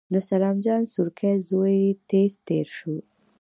د سلام جان سورکی زوی تېز تېر شو.